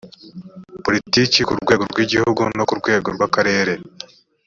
politiki ku rwego rw’igihugu no ku rwego rw’akarere